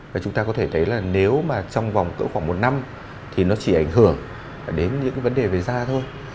và chúng ta có thể thấy là nếu mà trong vòng cỡ khoảng một năm thì nó chỉ ảnh hưởng đến những vấn đề về da thôi